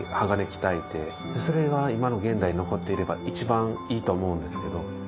鋼鍛えてそれが今の現代に残っていれば一番いいと思うんですけど。